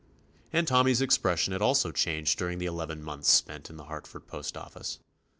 And Tom my's expression had also changed dur ing the eleven months spent in the Hartford postofRce.